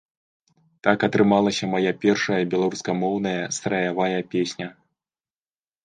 Так атрымалася мая першая беларускамоўная страявая песня.